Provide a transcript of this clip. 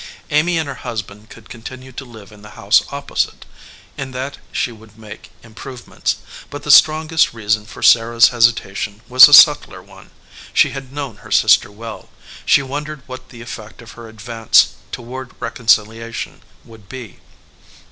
Amy and her husband could con tinue to live in the house opposite. In that she would make improvements. But the strongest rea son for Sarah s hesitation was a subtler one. She had known her sister well. She wondered what the effect of her advance toward reconciliation would be.